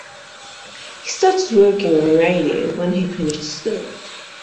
He started working in radio when he finished school.